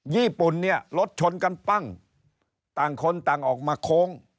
ญี่ปุ่นเนี่ยรถชนกันปั้งต่างคนต่างออกมาโค้ง